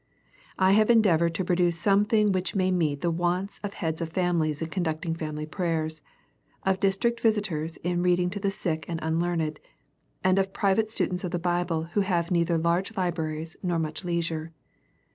I have endeavored to pro duce something which may meet the wants of heads of families in conducting family prayers, — of district visit ors in reading to the sick and unlearned, — and of pri vate students of the Bible who have neither large libraries nor much leisure.